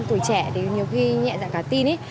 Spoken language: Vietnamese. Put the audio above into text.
tuổi trẻ thì nhiều khi nhẹ dạng cả tin ý